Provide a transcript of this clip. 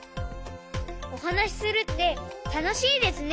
おはなしするってたのしいですね！